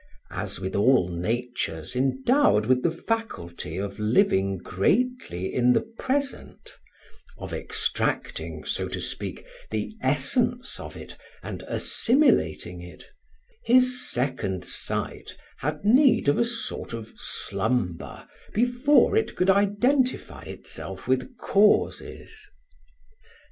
As with all natures endowed with the faculty of living greatly in the present, of extracting, so to speak, the essence of it and assimilating it, his second sight had need of a sort of slumber before it could identify itself with causes.